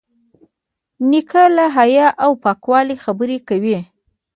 نیکه له حیا او پاکوالي خبرې کوي.